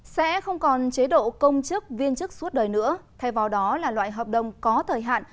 sẽ không còn chế độ công chức viên chức suốt đời nữa thay vào đó là loại hợp đồng có thời hạn